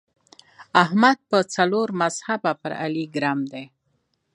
احمد په څلور مذهبه پر علي ګرم دی.